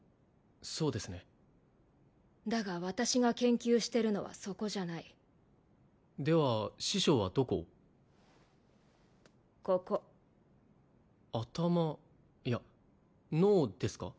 そうですねだが私が研究してるのはそこじゃないでは師匠はどこをここ頭いや脳ですか？